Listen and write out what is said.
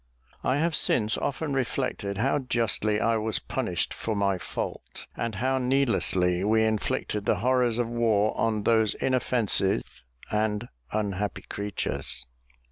I have since often reflected how justly I was punished for my fault, and how needlessly we inflicted the horrors of war on those inoffensive and unhappy creatures.